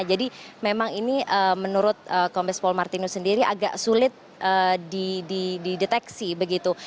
jadi memang ini menurut kompespol martinus sendiri agak sulit dideteksi begitu